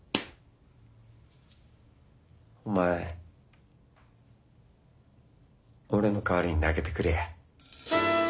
お前俺の代わりに投げてくれや。